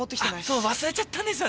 そう忘れちゃったんですよね。